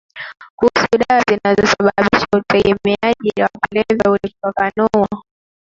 kuhusu dawa zinazosababisha utegemeaji wa kulevya walifafanua